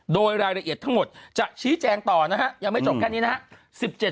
โดยรายละเอียดทั้งหมดจะชี้แจงต่อนะฮะยังไม่จบแค่นี้นะครับ